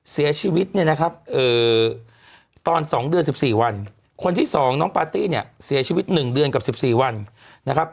เสียชีวิตเนี่ยนะครับตอน๒เดือน๑๔วันคนที่๒น้องปาร์ตี้เนี่ยเสียชีวิต๑เดือนกับ๑๔วันนะครับ